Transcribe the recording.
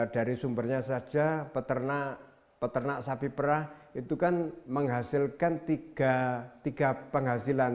dari sumbernya saja peternak sapi perah itu kan menghasilkan tiga penghasilan